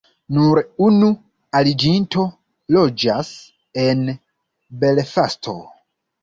Nur unu aliĝinto loĝas en Belfasto.